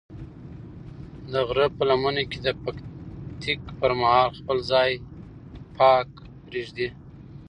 د غره په لمنو کې د پکنیک پر مهال خپل ځای پاک پرېږدئ.